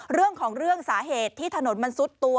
เรื่องของเรื่องสาเหตุที่ถนนมันซุดตัว